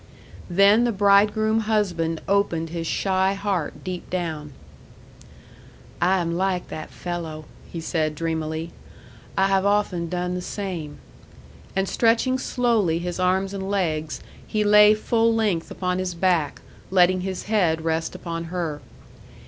Then the bridegroom husband opened his shy heart deep down. "I am like that fellow," he said dreamily. "I have often done the same." And stretching slowly his arms and legs, he lay full length upon his back, letting his head rest upon her.